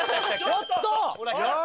ちょっと！